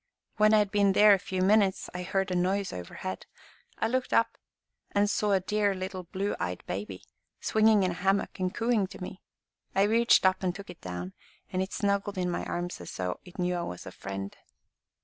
When I had been there a few minutes, I heard a noise overhead. I looked up and saw a dear little blue eyed baby, swinging in a hammock and cooing to me. I reached up and took it down, and it snuggled in my arms as though it knew I was a friend."